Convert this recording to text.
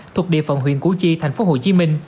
thuộc địa phận huyện cú chi tp hcm